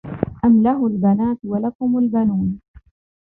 أَمْ لَهُ الْبَنَاتُ وَلَكُمُ الْبَنُونَ